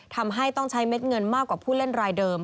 ทำให้ต้องใช้เม็ดเงินมากกว่าผู้เล่นรายเดิม